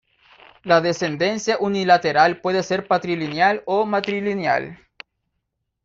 La descendencia unilateral puede ser patrilineal o matrilineal.